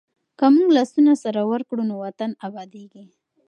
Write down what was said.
که موږ لاسونه سره ورکړو نو وطن ابادېږي.